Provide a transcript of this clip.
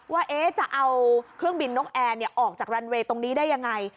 ว่าจะเอาเครื่องบินนกแอร์ออกจากรันเวย์ตรงนี้ได้ยังไง